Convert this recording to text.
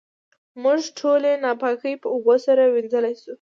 موږ ټولې ناپاکۍ په اوبو سره وېنځلی شو.